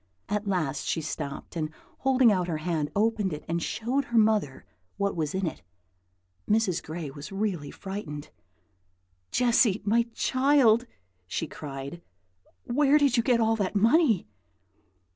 At last she stopped, and holding out her hand, opened it and showed her mother what was in it. Mrs. Gray was really frightened. "Jessy, my child!" she cried, "where did you get all that money?"